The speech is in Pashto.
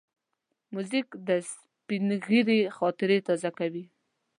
موزیک د سپینږیري خاطرې تازه کوي.